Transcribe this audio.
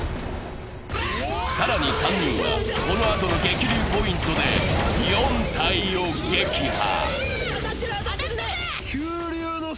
更に３人はこのあとの激流ポイントで４体を撃破。